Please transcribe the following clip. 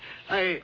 はい。